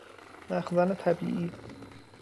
مخزن طبیعی